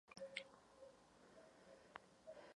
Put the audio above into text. Je držitelem řady domácích i zahraničních ocenění.